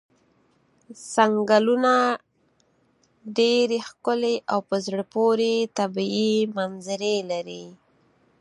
څنګلونه ډېرې ښکلې او په زړه پورې طبیعي منظرې لري.